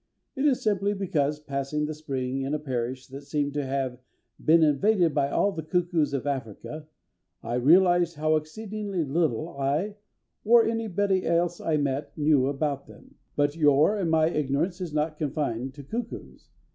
It is simply because, passing the spring in a parish that seemed to have been invaded by all the cuckoos of Africa, I realised how exceedingly little I, or anybody else I met, knew about them. But your and my ignorance is not confined to cuckoos.